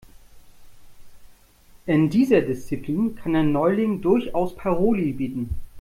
In dieser Disziplin kann der Neuling durchaus Paroli bieten.